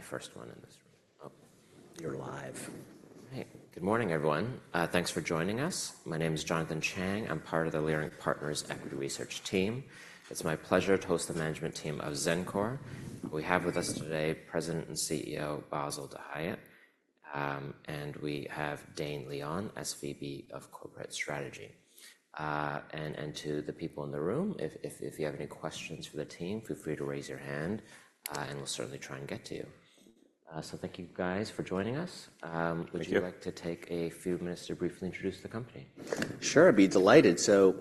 My first one in this room. Oh, you're live. All right, good morning, everyone. Thanks for joining us. My name is Jonathan Chang. I'm part of the Leerink Partners Equity Research Team. It's my pleasure to host the management team of Xencor. We have with us today President and CEO Bassil Dahiyat, and we have Dane Leone, SVP of Corporate Strategy. And to the people in the room, if you have any questions for the team, feel free to raise your hand, and we'll certainly try and get to you. Thank you guys for joining us. Would you like to take a few minutes to briefly introduce the company? Sure, I'd be delighted. So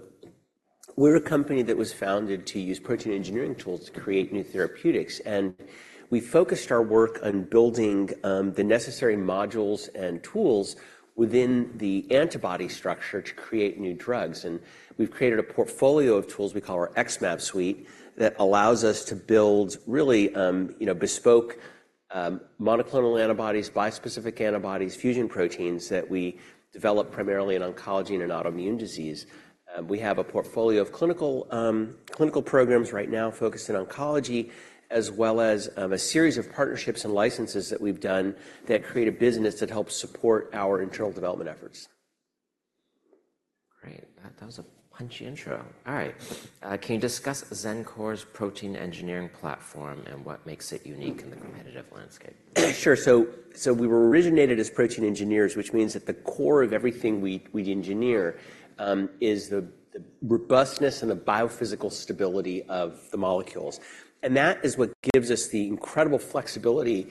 we're a company that was founded to use protein engineering tools to create new therapeutics, and we focused our work on building the necessary modules and tools within the antibody structure to create new drugs. And we've created a portfolio of tools we call our XmAb suite that allows us to build really, you know, bespoke monoclonal antibodies, bispecific antibodies, fusion proteins that we develop primarily in oncology and in autoimmune disease. We have a portfolio of clinical programs right now focused on oncology, as well as a series of partnerships and licenses that we've done that create a business that helps support our internal development efforts. Great. That was a punchy intro. All right. Can you discuss Xencor's protein engineering platform and what makes it unique in the competitive landscape? Sure. So we were originated as protein engineers, which means that the core of everything we engineer is the robustness and the biophysical stability of the molecules. And that is what gives us the incredible flexibility,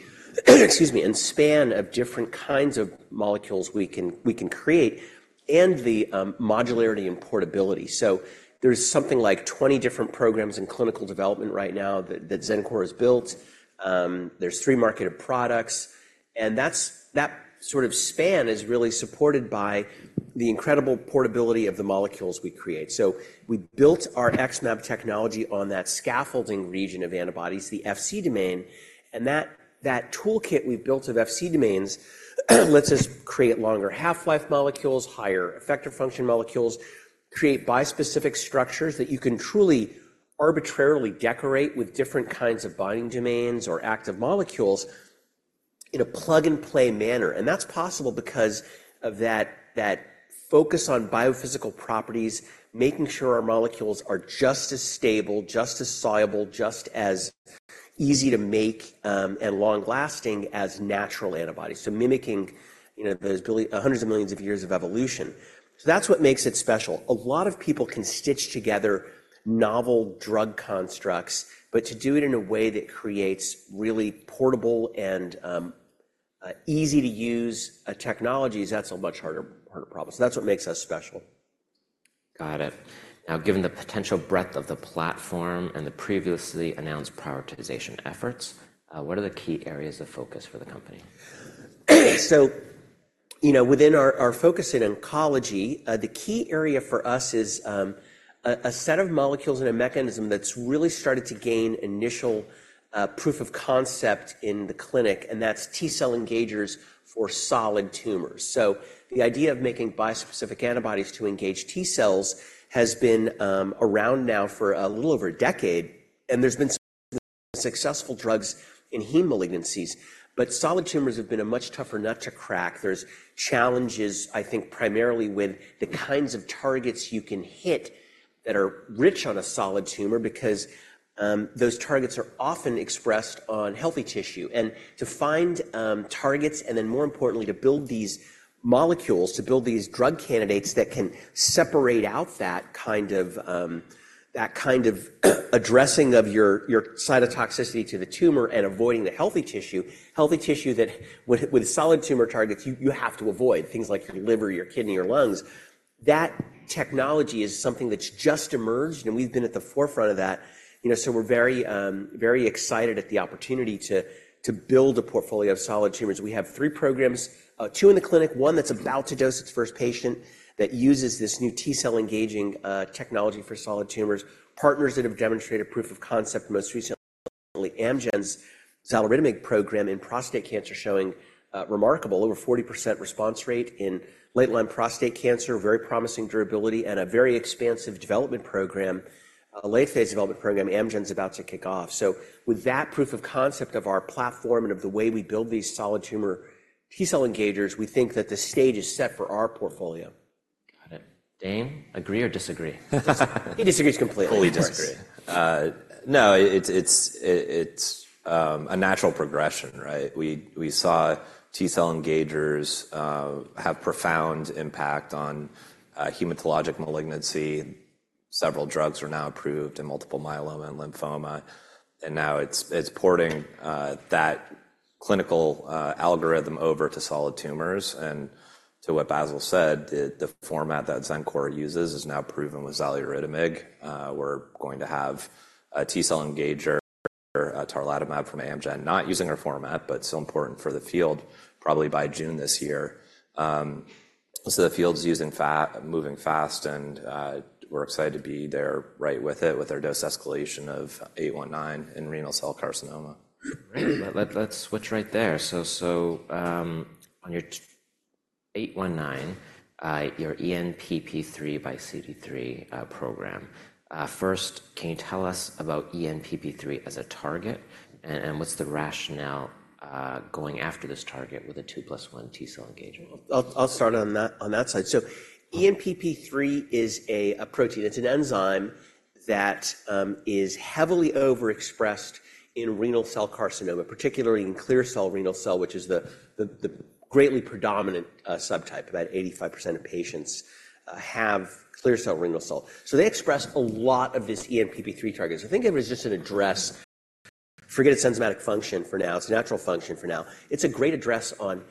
excuse me, and span of different kinds of molecules we can create, and the modularity and portability. So there's something like 20 different programs in clinical development right now that Xencor has built. There's three marketed products. And that's that sort of span is really supported by the incredible portability of the molecules we create. So we built our XmAb technology on that scaffolding region of antibodies, the Fc domain, and that, that toolkit we've built of Fc domains lets us create longer half-life molecules, higher effector function molecules, create bispecific structures that you can truly arbitrarily decorate with different kinds of binding domains or active molecules in a plug-and-play manner. And that's possible because of that, that focus on biophysical properties, making sure our molecules are just as stable, just as soluble, just as easy to make, and long-lasting as natural antibodies, so mimicking, you know, those billion, hundreds of millions of years of evolution. So that's what makes it special. A lot of people can stitch together novel drug constructs, but to do it in a way that creates really portable and, easy-to-use technologies, that's a much harder, harder problem. So that's what makes us special. Got it. Now, given the potential breadth of the platform and the previously announced prioritization efforts, what are the key areas of focus for the company? So, you know, within our focus in oncology, the key area for us is a set of molecules and a mechanism that's really started to gain initial proof of concept in the clinic, and that's T-cell engagers for solid tumors. So the idea of making bispecific antibodies to engage T-cells has been around now for a little over a decade, and there's been some successful drugs in heme malignancies, but solid tumors have been a much tougher nut to crack. There's challenges, I think, primarily with the kinds of targets you can hit that are rich on a solid tumor because those targets are often expressed on healthy tissue. And to find targets and then, more importantly, to build these molecules, to build these drug candidates that can separate out that kind of, that kind of addressing of your, your cytotoxicity to the tumor and avoiding the healthy tissue, healthy tissue that would, with solid tumor targets, you, you have to avoid, things like your liver, your kidney, your lungs, that technology is something that's just emerged, and we've been at the forefront of that. You know, so we're very, very excited at the opportunity to, to build a portfolio of solid tumors. We have three programs, two in the clinic, one that's about to dose its first patient that uses this new T-cell engaging technology for solid tumors, partners that have demonstrated proof of concept. Most recently, Amgen's xaluritamab program in prostate cancer showing remarkable over 40% response rate in late-line prostate cancer, very promising durability, and a very expansive development program, a late-phase development program, Amgen's about to kick off. So with that proof of concept of our platform and of the way we build these solid tumor T-cell engagers, we think that the stage is set for our portfolio. Got it. Dane, agree or disagree? He disagrees completely. Oh, he disagrees. No, it's a natural progression, right? We saw T-cell engagers have profound impact on hematologic malignancy. Several drugs are now approved in multiple myeloma and lymphoma. And now it's porting that clinical algorithm over to solid tumors. And to what Bassil said, the format that Xencor uses is now proven with several bispecifics. We're going to have a T-cell engager, tarlatamab from Amgen, not using our format, but still important for the field, probably by June this year. So the field is moving fast, and we're excited to be there right with it, with our dose escalation of 819 in renal cell carcinoma. Great. Let's switch right there. So, on your 819, your ENPP3 x CD3 program. First, can you tell us about ENPP3 as a target, and what's the rationale going after this target with a 2+1 T-cell engagement? Well, I'll start on that, on that side. So ENPP3 is a protein. It's an enzyme that is heavily overexpressed in renal cell carcinoma, particularly in clear cell renal cell, which is the greatly predominant subtype. About 85% of patients have clear cell renal cell. So they express a lot of this ENPP3 target. So I think it was just an address, forget its enzymatic function for now. It's a natural function for now. It's a great address on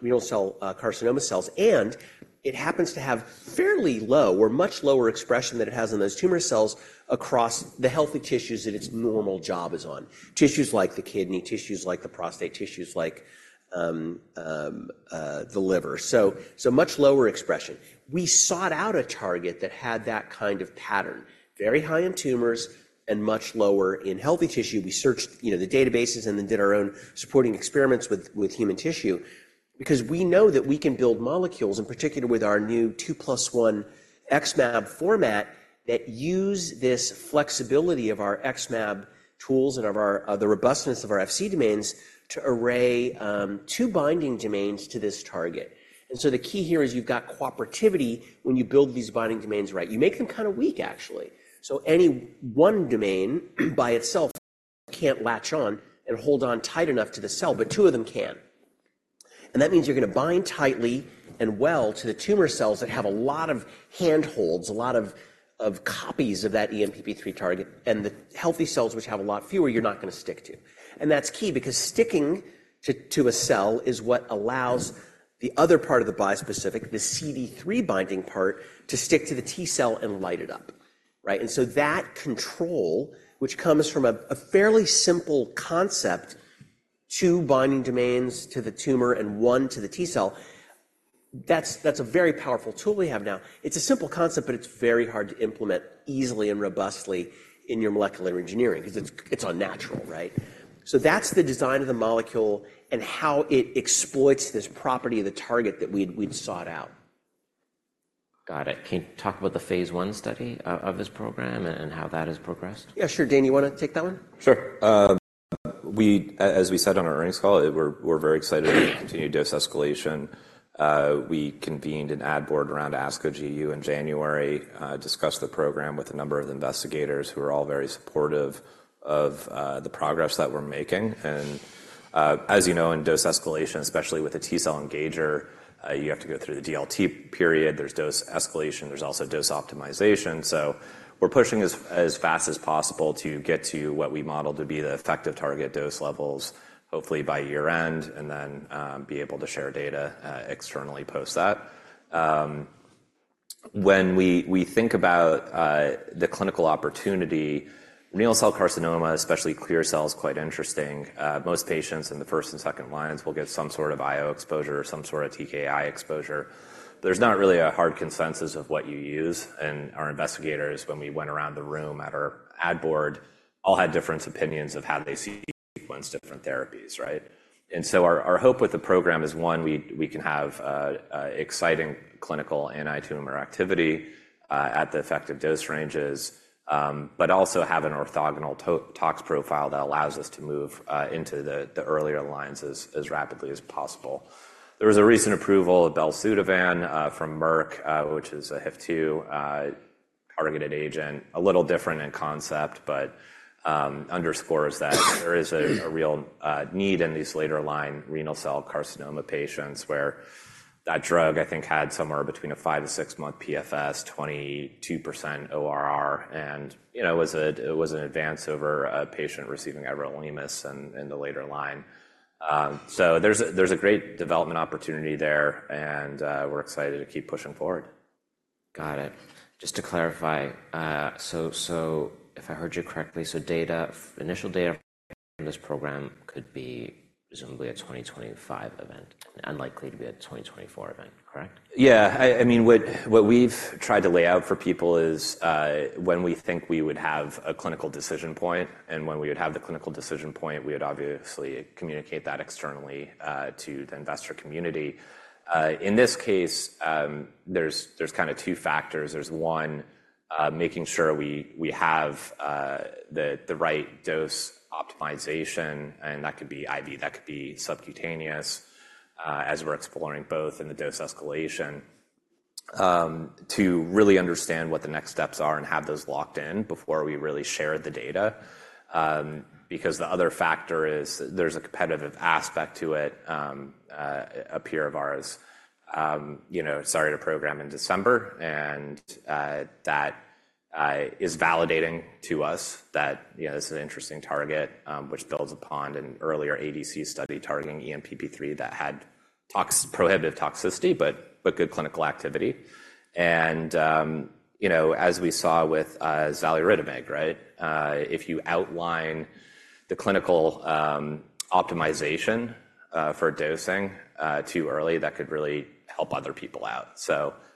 renal cell carcinoma cells, and it happens to have fairly low or much lower expression than it has in those tumor cells across the healthy tissues that its normal job is on, tissues like the kidney, tissues like the prostate, tissues like the liver. So much lower expression. We sought out a target that had that kind of pattern: very high in tumors and much lower in healthy tissue. We searched, you know, the databases and then did our own supporting experiments with human tissue because we know that we can build molecules, in particular with our new 2+1 XmAb format, that use this flexibility of our XmAb tools and of our robustness of our Fc domains to array two binding domains to this target. So the key here is you've got cooperativity when you build these binding domains right. You make them kind of weak, actually. So any one domain by itself can't latch on and hold on tight enough to the cell, but two of them can. That means you're going to bind tightly and well to the tumor cells that have a lot of handholds, a lot of copies of that ENPP3 target, and the healthy cells, which have a lot fewer, you're not going to stick to. And that's key because sticking to a cell is what allows the other part of the bispecific, the CD3 binding part, to stick to the T-cell and light it up, right? And so that control, which comes from a fairly simple concept, two binding domains to the tumor and one to the T-cell, that's a very powerful tool we have now. It's a simple concept, but it's very hard to implement easily and robustly in your molecular engineering because it's unnatural, right? So that's the design of the molecule and how it exploits this property of the target that we'd sought out. Got it. Can you talk about the phase I study of this program and how that has progressed? Yeah, sure. Dane, you want to take that one? Sure. We, as we said on our earnings call, we're very excited about continued dose escalation. We convened an ad board around ASCO-GU in January, discussed the program with a number of investigators who are all very supportive of the progress that we're making. As you know, in dose escalation, especially with a T-cell engager, you have to go through the DLT period. There's dose escalation. There's also dose optimization. So we're pushing as fast as possible to get to what we modeled to be the effective target dose levels, hopefully by year-end, and then be able to share data externally post that. When we think about the clinical opportunity, renal cell carcinoma, especially clear cell, quite interesting. Most patients in the first and second lines will get some sort of IO exposure or some sort of TKI exposure. There's not really a hard consensus of what you use. Our investigators, when we went around the room at our ad board, all had different opinions of how they sequenced different therapies, right? So our hope with the program is, one, we can have exciting clinical anti-tumor activity, at the effective dose ranges, but also have an orthogonal tox profile that allows us to move into the earlier lines as rapidly as possible. There was a recent approval of belzutifan, from Merck, which is a HIF-2α targeted agent, a little different in concept, but underscores that there is a real need in these later-line renal cell carcinoma patients where that drug, I think, had somewhere between a 5-6-month PFS, 22% ORR, and, you know, it was an advance over a patient receiving everolimus in the later line. So there's a great development opportunity there, and we're excited to keep pushing forward. Got it. Just to clarify, so if I heard you correctly, so data, initial data from this program, could be presumably a 2025 event and unlikely to be a 2024 event, correct? Yeah. I mean, what we've tried to lay out for people is, when we think we would have a clinical decision point and when we would have the clinical decision point, we would obviously communicate that externally, to the investor community. In this case, there's kind of two factors. There's one, making sure we have the right dose optimization, and that could be IV. That could be subcutaneous, as we're exploring both and the dose escalation, to really understand what the next steps are and have those locked in before we really share the data. Because the other factor is there's a competitive aspect to it, a peer of ours, you know, started a program in December, and that is validating to us that, you know, this is an interesting target, which builds upon an earlier ADC study targeting ENPP3 that had toxic-prohibitive toxicity, but, but good clinical activity. You know, as we saw with xaluritamab, right, if you outline the clinical optimization for dosing too early, that could really help other people out.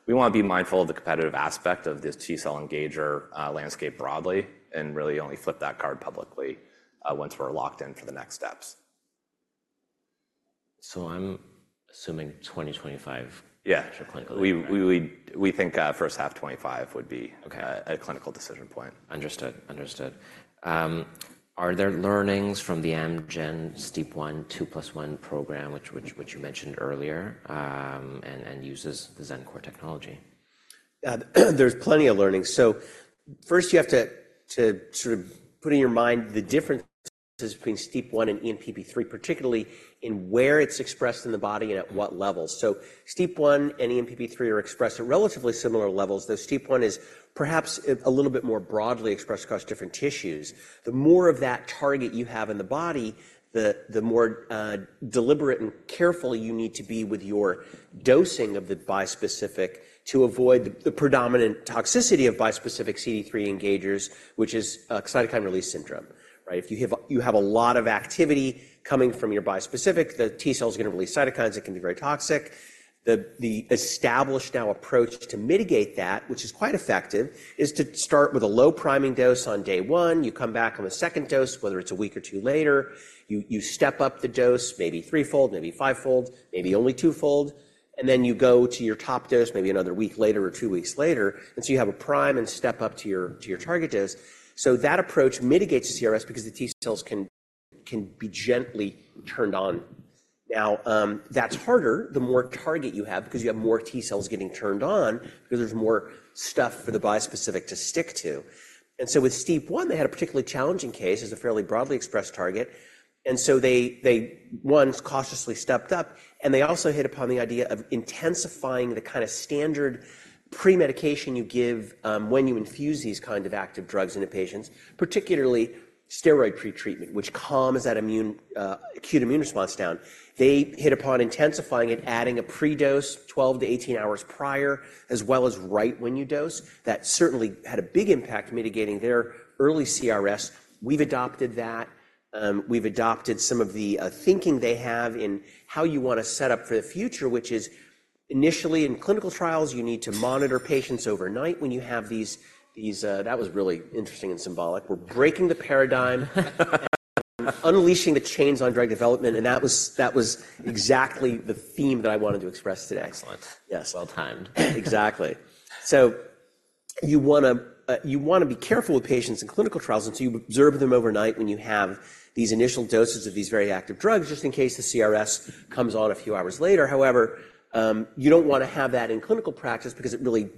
We want to be mindful of the competitive aspect of this T-cell engager landscape broadly and really only flip that card publicly once we're locked in for the next steps. I'm assuming 2025. Yeah. Clinical decision point. We think first half 2025 would be. Okay. a clinical decision point. Understood. Understood. Are there learnings from the Amgen STEAP1 2+1 program, which you mentioned earlier, and uses the Xencor technology? Yeah. There's plenty of learnings. So first, you have to sort of put in your mind the differences between STEAP1 and ENPP3, particularly in where it's expressed in the body and at what levels. So STEAP1 and ENPP3 are expressed at relatively similar levels, though STEAP1 is perhaps a little bit more broadly expressed across different tissues. The more of that target you have in the body, the more deliberate and careful you need to be with your dosing of the bispecific to avoid the predominant toxicity of bispecific CD3 engagers, which is cytokine release syndrome, right? If you have a lot of activity coming from your bispecific, the T-cell's going to release cytokines. It can be very toxic. The established now approach to mitigate that, which is quite effective, is to start with a low priming dose on day one. You come back on the second dose, whether it's a week or two later. You step up the dose, maybe threefold, maybe fivefold, maybe only twofold, and then you go to your top dose, maybe another week later or two weeks later. So you have a prime and step up to your target dose. So that approach mitigates the CRS because the T-cells can be gently turned on. Now, that's harder the more target you have because you have more T-cells getting turned on because there's more stuff for the bispecific to stick to. And so with STEAP1, they had a particularly challenging case as a fairly broadly expressed target. So they once cautiously stepped up, and they also hit upon the idea of intensifying the kind of standard premedication you give, when you infuse these kind of active drugs into patients, particularly steroid pretreatment, which calms that immune, acute immune response down. They hit upon intensifying it, adding a predose 12-18 hours prior, as well as right when you dose. That certainly had a big impact mitigating their early CRS. We've adopted that. We've adopted some of the thinking they have in how you want to set up for the future, which is initially, in clinical trials, you need to monitor patients overnight. When you have these, that was really interesting and symbolic. We're breaking the paradigm and unleashing the chains on drug development. And that was exactly the theme that I wanted to express today. Excellent. Yes. Well-timed. Exactly. So you want to, you want to be careful with patients in clinical trials until you observe them overnight when you have these initial doses of these very active drugs, just in case the CRS comes on a few hours later. However, you don't want to have that in clinical practice because it really,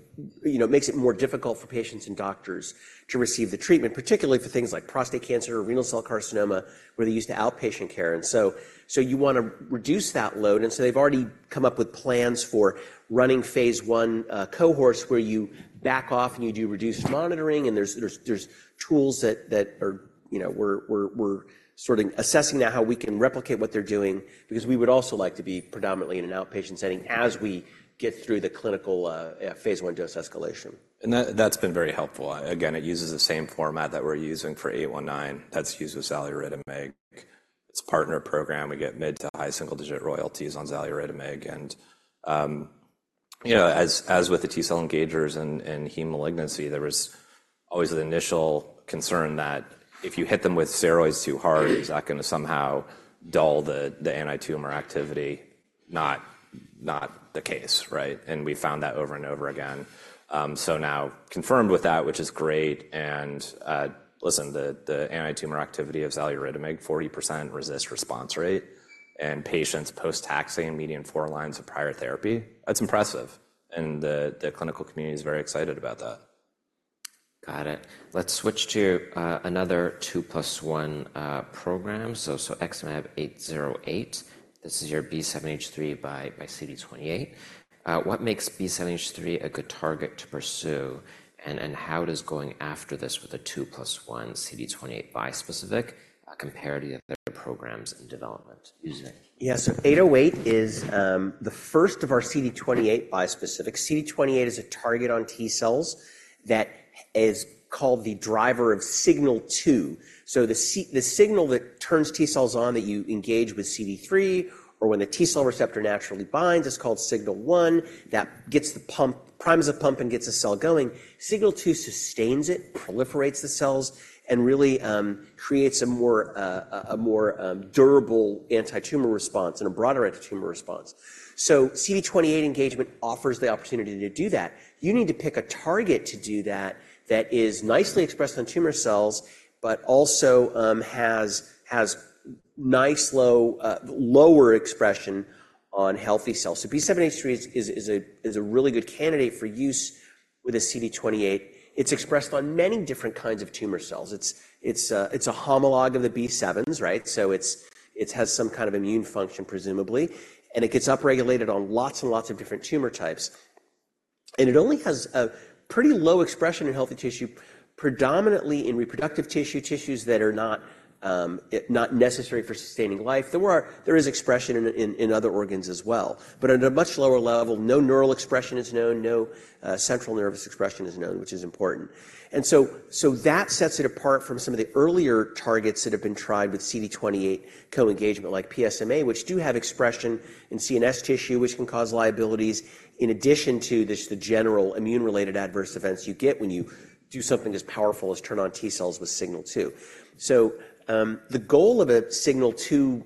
you know, makes it more difficult for patients and doctors to receive the treatment, particularly for things like prostate cancer or renal cell carcinoma, where they use the outpatient care. And so, so you want to reduce that load. And so they've already come up with plans for running phase I cohorts where you back off and you do reduced monitoring. There's tools that are, you know, we're sort of assessing now how we can replicate what they're doing because we would also like to be predominantly in an outpatient setting as we get through the clinical phase I dose escalation. That, that's been very helpful. Again, it uses the same format that we're using for 819. That's used with plamotamab. It's a partner program. We get mid to high single-digit royalties on plamotamab. And, you know, as with the T-cell engagers and heme malignancy, there was always an initial concern that if you hit them with steroids too hard, is that going to somehow dull the anti-tumor activity? Not the case, right? And we found that over and over again. So now confirmed with that, which is great. And, listen, the anti-tumor activity of plamotamab, 40% response rate, and patients post-taxane median four lines of prior therapy. That's impressive. And the clinical community is very excited about that. Got it. Let's switch to another 2+1 program. So, XmAb808. This is your B7-H3 x CD28. What makes B7-H3 a good target to pursue? And how does going after this with a 2+1 CD28 bispecific compare to the other programs in development? Yeah. So 808 is the first of our CD28 bispecifics. CD28 is a target on T-cells that is called the driver of signal two. So the signal that turns T-cells on that you engage with CD3 or when the T-cell receptor naturally binds is called signal one that primes the pump and gets a cell going. Signal two sustains it, proliferates the cells, and really creates a more durable anti-tumor response and a broader anti-tumor response. So CD28 engagement offers the opportunity to do that. You need to pick a target to do that that is nicely expressed on tumor cells but also has nice lower expression on healthy cells. So B7-H3 is a really good candidate for use with a CD28. It's expressed on many different kinds of tumor cells. It's a homologue of the B7s, right? So it has some kind of immune function, presumably, and it gets upregulated on lots and lots of different tumor types. And it only has a pretty low expression in healthy tissue, predominantly in reproductive tissues that are not necessary for sustaining life. There is expression in other organs as well, but at a much lower level, no neural expression is known, no central nervous expression is known, which is important. So that sets it apart from some of the earlier targets that have been tried with CD28 co-engagement, like PSMA, which do have expression in CNS tissue, which can cause liabilities, in addition to just the general immune-related adverse events you get when you do something as powerful as turn on T-cells with signal two. So, the goal of a signal two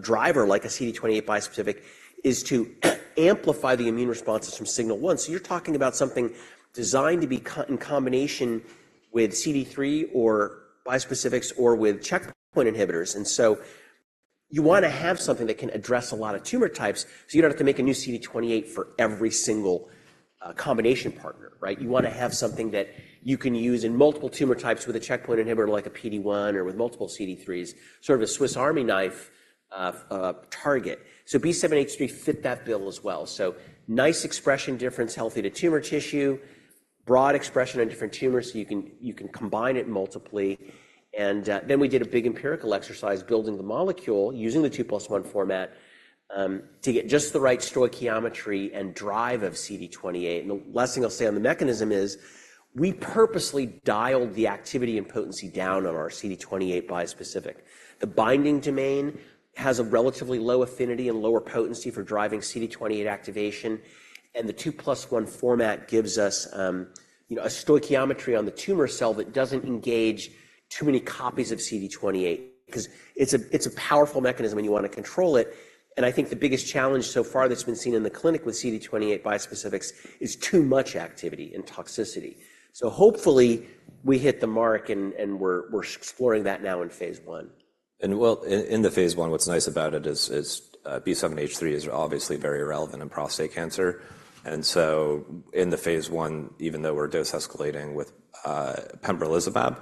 driver, like a CD28 bispecific, is to amplify the immune responses from signal one. So you're talking about something designed to be in combination with CD3 or bispecifics or with checkpoint inhibitors. And so you want to have something that can address a lot of tumor types so you don't have to make a new CD28 for every single combination partner, right? You want to have something that you can use in multiple tumor types with a checkpoint inhibitor like a PD-1 or with multiple CD3s, sort of a Swiss Army knife target. So B7-H3 fits that bill as well. So nice expression difference, healthy to tumor tissue, broad expression on different tumors so you can combine it multiply. Then we did a big empirical exercise building the molecule using the 2+1 format, to get just the right stoichiometry and drive of CD28. The last thing I'll say on the mechanism is we purposely dialed the activity and potency down on our CD28 bispecific. The binding domain has a relatively low affinity and lower potency for driving CD28 activation. The 2+1 format gives us, you know, a stoichiometry on the tumor cell that doesn't engage too many copies of CD28 because it's a powerful mechanism when you want to control it. I think the biggest challenge so far that's been seen in the clinic with CD28 bispecifics is too much activity and toxicity. So hopefully, we hit the mark and we're exploring that now in phase I. Well, in the phase I, what's nice about it is B7-H3 is obviously very relevant in prostate cancer. And so in the phase I, even though we're dose escalating with pembrolizumab,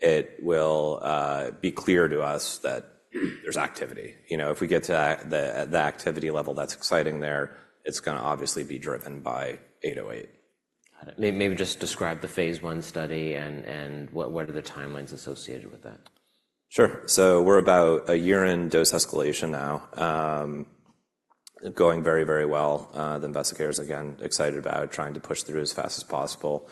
it will be clear to us that there's activity. You know, if we get to that the activity level that's exciting there, it's going to obviously be driven by 808. Got it. Maybe just describe the phase I study and what are the timelines associated with that? Sure. So we're about one year in dose escalation now, going very, very well. The investigator is, again, excited about trying to push through as fast as possible.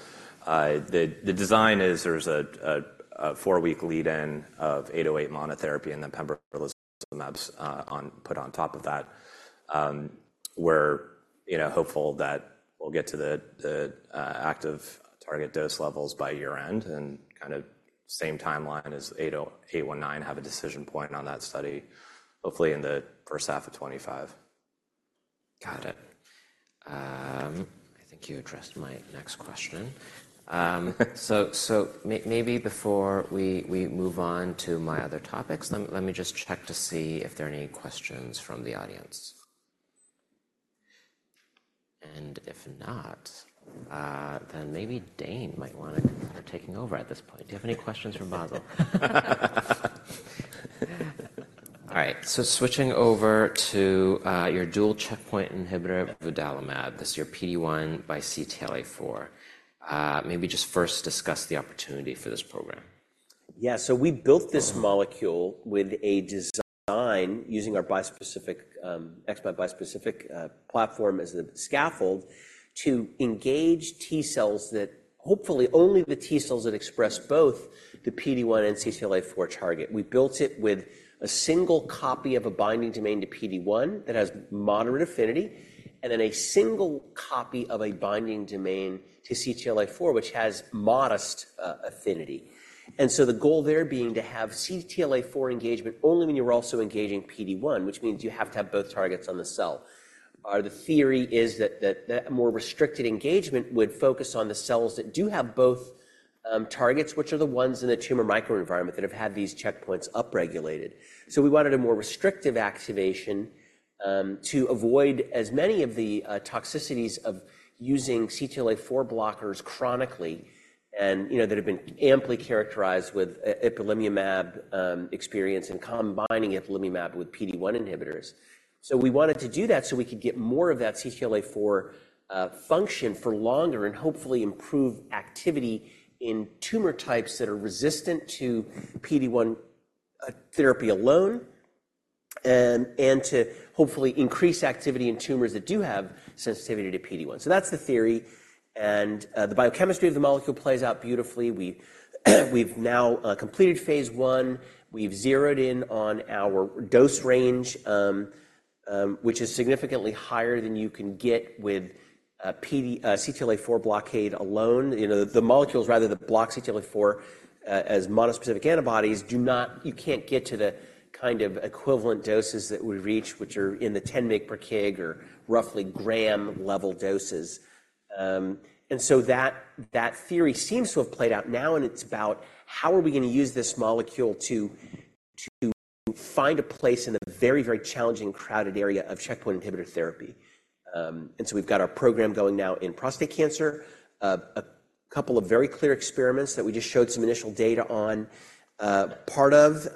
The design is there's a 4-week lead-in of 808 monotherapy and then pembrolizumab on top of that. We're, you know, hopeful that we'll get to the active target dose levels by year-end and kind of same timeline as 808 and 819 have a decision point on that study, hopefully in the first half of 2025. Got it. I think you addressed my next question. So maybe before we move on to my other topics, let me just check to see if there are any questions from the audience. And if not, then maybe Dane might want to consider taking over at this point. Do you have any questions for Bassil? All right. Switching over to your dual checkpoint inhibitor, vudalimab. This is your PD-1 by CTLA-4. Maybe just first discuss the opportunity for this program. Yeah. So we built this molecule with a design using our bispecific XmAb bispecific platform as the scaffold to engage T-cells that hopefully only the T-cells that express both the PD-1 and CTLA-4 target. We built it with a single copy of a binding domain to PD-1 that has moderate affinity and then a single copy of a binding domain to CTLA-4, which has modest affinity. And so the goal there being to have CTLA-4 engagement only when you're also engaging PD-1, which means you have to have both targets on the cell, or the theory is that that more restricted engagement would focus on the cells that do have both targets, which are the ones in the tumor microenvironment that have had these checkpoints upregulated. So we wanted a more restrictive activation, to avoid as many of the toxicities of using CTLA-4 blockers chronically and, you know, that have been amply characterized with ipilimumab experience in combining ipilimumab with PD-1 inhibitors. So we wanted to do that so we could get more of that CTLA-4 function for longer and hopefully improve activity in tumor types that are resistant to PD-1 therapy alone, and to hopefully increase activity in tumors that do have sensitivity to PD-1. So that's the theory. The biochemistry of the molecule plays out beautifully. We, we've now completed phase I. We've zeroed in on our dose range, which is significantly higher than you can get with PD-1, CTLA-4 blockade alone. You know, the molecules, rather than block CTLA-4, as monospecific antibodies, do not, you can't get to the kind of equivalent doses that we reach, which are in the 10 mg per kg or roughly gram-level doses. So that theory seems to have played out now. It's about how we are going to use this molecule to find a place in a very, very challenging, crowded area of checkpoint inhibitor therapy. So we've got our program going now in prostate cancer, a couple of very clear experiments that we just showed some initial data on, part of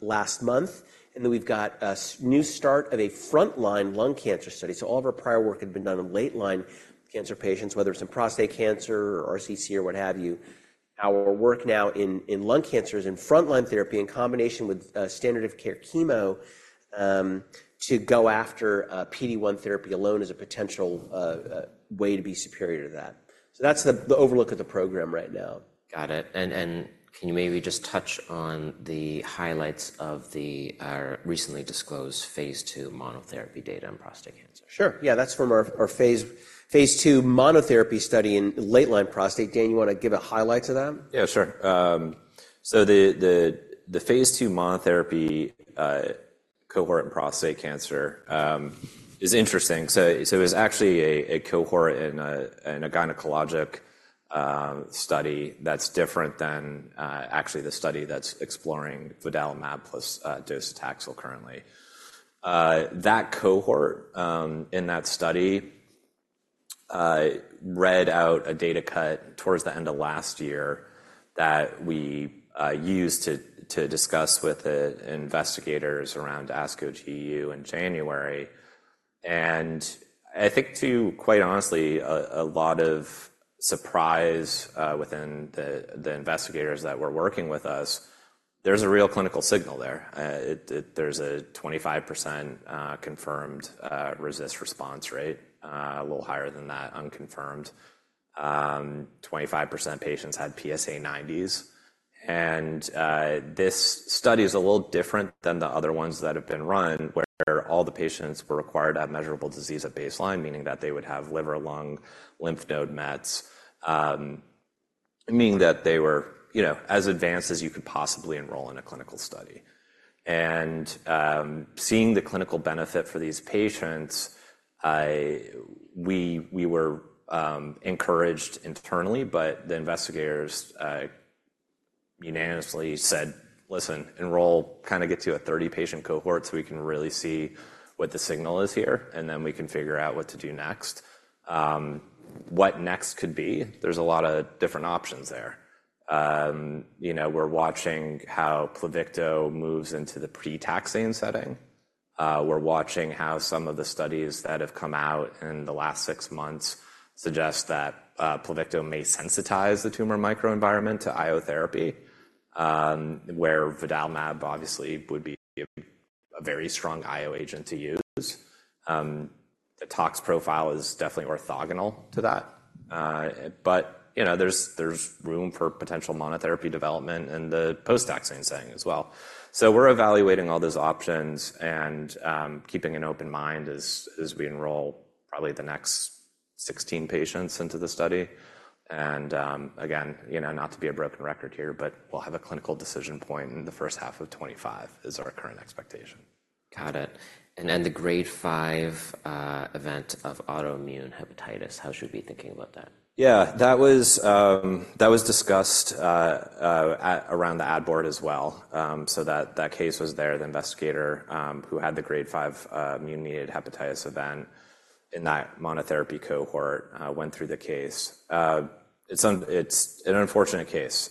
last month. Then we've got a new start of a frontline lung cancer study. All of our prior work had been done in late-line cancer patients, whether it's in prostate cancer or RCC or what have you. Our work now in lung cancer is in frontline therapy in combination with standard of care chemo to go after PD-1 therapy alone as a potential way to be superior to that. So that's the overview of the program right now. Got it. And can you maybe just touch on the highlights of the recently disclosed phase II monotherapy data in prostate cancer? Sure. Yeah. That's from our phase II monotherapy study in late-line prostate. Dane, you want to give a highlight to that? Yeah, sure. So the phase II monotherapy cohort in prostate cancer is interesting. So it was actually a cohort in a gynecologic study that's different than actually the study that's exploring vudalimab plus docetaxel currently. That cohort in that study read out a data cut towards the end of last year that we used to discuss with the investigators around ASCO-GU in January. And I think, too, quite honestly, a lot of surprise within the investigators that were working with us, there's a real clinical signal there. It there's a 25% confirmed RECIST response rate, a little higher than that unconfirmed. 25% patients had PSA 90s. This study is a little different than the other ones that have been run where all the patients were required to have measurable disease at baseline, meaning that they would have liver-lung lymph node mets, meaning that they were, you know, as advanced as you could possibly enroll in a clinical study. Seeing the clinical benefit for these patients, we were encouraged internally, but the investigators unanimously said, "Listen, enroll, kind of get to a 30-patient cohort so we can really see what the signal is here, and then we can figure out what to do next." What next could be, there's a lot of different options there. You know, we're watching how Pluvicto moves into the pre-taxane setting. We're watching how some of the studies that have come out in the last six months suggest that Pluvicto may sensitize the tumor microenvironment to immunotherapy, where vudalimab obviously would be a very strong IO agent to use. The tox profile is definitely orthogonal to that. But, you know, there's room for potential monotherapy development in the post-TKI setting as well. So we're evaluating all those options and keeping an open mind as we enroll probably the next 16 patients into the study. And, again, you know, not to be a broken record here, but we'll have a clinical decision point in the first half of 2025 is our current expectation. Got it. And the grade 5 event of autoimmune hepatitis, how should we be thinking about that? Yeah. That was discussed at around the ad board as well. So that case was there. The investigator who had the grade five immune-mediated hepatitis event in that monotherapy cohort went through the case. It's an unfortunate case.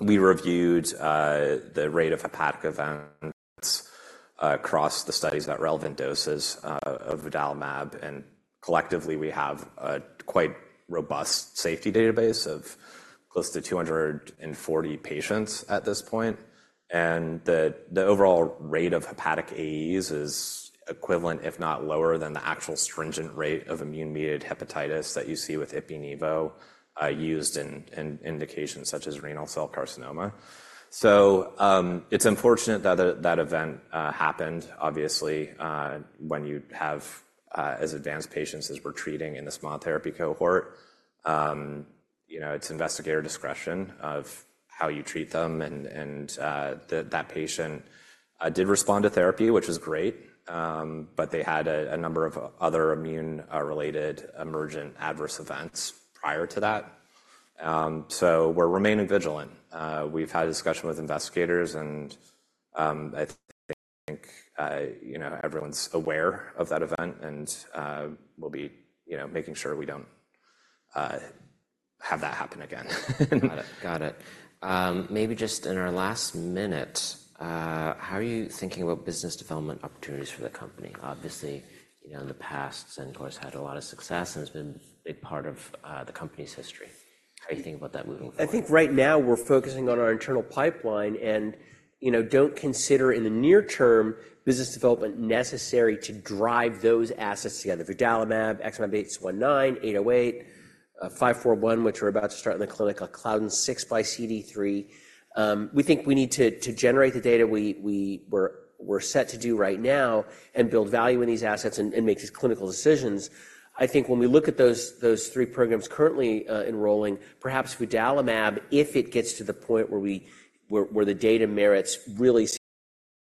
We reviewed the rate of hepatic events across the studies at relevant doses of vudalimab. And collectively, we have a quite robust safety database of close to 240 patients at this point. And the overall rate of hepatic AEs is equivalent, if not lower, than the actual stringent rate of immune-mediated hepatitis that you see with Opdivo used in indications such as renal cell carcinoma. So, it's unfortunate that that event happened, obviously, when you have as advanced patients as we're treating in this monotherapy cohort. You know, it's investigator discretion of how you treat them. And that patient did respond to therapy, which is great. But they had a number of other immune-related emergent adverse events prior to that. So we're remaining vigilant. We've had a discussion with investigators, and I think, you know, everyone's aware of that event. And we'll be, you know, making sure we don't have that happen again. Got it. Got it. Maybe just in our last minute, how are you thinking about business development opportunities for the company? Obviously, you know, in the past, Xencor has had a lot of success and has been a big part of the company's history. How are you thinking about that moving forward? I think right now we're focusing on our internal pipeline and, you know, don't consider in the near term business development necessary to drive those assets together. Vudalimab, XmAb819, XmAb808, XmAb541, which we're about to start in the clinic, Claudin 6 x CD3. We think we need to generate the data we're set to do right now and build value in these assets and make these clinical decisions. I think when we look at those three programs currently enrolling, perhaps vudalimab, if it gets to the point where the data merits really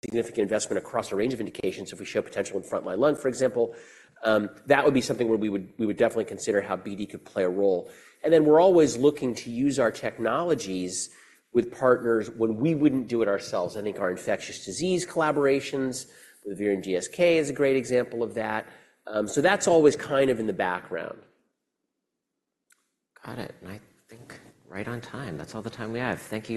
significant investment across a range of indications, if we show potential in frontline lung, for example, that would be something where we would definitely consider how BD could play a role. Then we're always looking to use our technologies with partners when we wouldn't do it ourselves. I think our infectious disease collaborations with Vir and GSK is a great example of that. So that's always kind of in the background. Got it. I think right on time. That's all the time we have. Thank you.